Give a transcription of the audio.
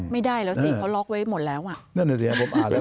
ไม่ได้แล้วสิเขาล็อกไว้หมดแล้ว